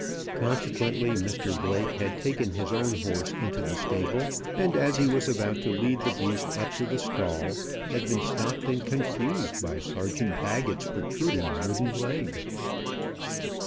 Consequently, Mr Blake had taken his own horse into the stable, and as he was about to lead the beast up to the stall, had been stopped and confused by Sergeant Baggett's protruding wooden leg.